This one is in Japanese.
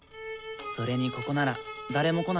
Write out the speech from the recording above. それにここなら誰も来ないよ。